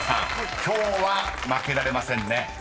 今日は負けられませんね］